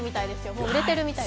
もう売れているみたい。